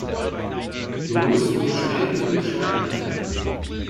Du musst nur schnell genug schreiben können.